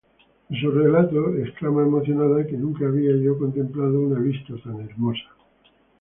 En su relato exclama emocionada que "nunca había yo contemplado una vista tan hermosa".